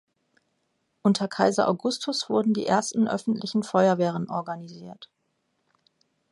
Unter Kaiser Augustus wurden die ersten öffentlichen Feuerwehren organisiert.